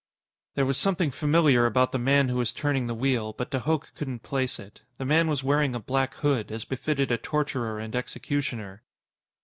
_There was something familiar about the man who was turning the wheel, but de Hooch couldn't place it. The man was wearing a black hood, as befitted a torturer and executioner.